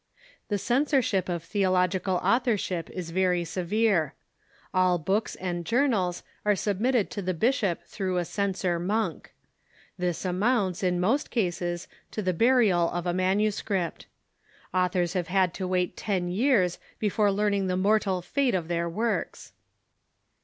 The censorship of theologi cal authorship is very severe. All books and journals are sub mitted to the bishop through a censor monk. This amounts, in most cases, to the burial of a manuscript. Authors have had to wait ten years before learning the mortal fate of their works.